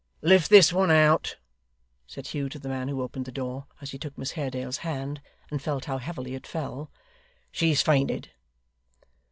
'Lift this one out,' said Hugh to the man who opened the door, as he took Miss Haredale's hand, and felt how heavily it fell. 'She's fainted.